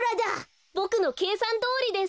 ボクのけいさんどおりです。